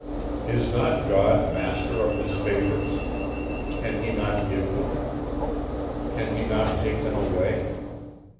"Is not God master of his favours? Can he not give them? Can he not take them away?